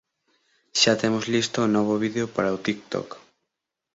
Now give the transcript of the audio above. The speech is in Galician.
Xa temos listo o novo vídeo para o TikTok!